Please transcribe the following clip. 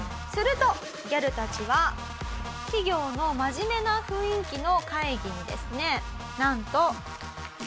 するとギャルたちは企業の真面目な雰囲気の会議にですねなんと。